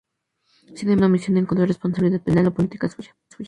Sin embargo, ninguna comisión encontró responsabilidad penal o política suya.